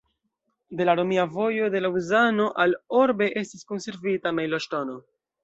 De la romia vojo de Laŭzano al Orbe estis konservita mejloŝtono.